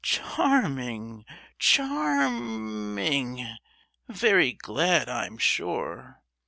Charming, charm—ing! Very glad, I'm sure.